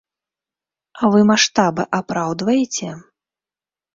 А вы маштабы апраўдваеце?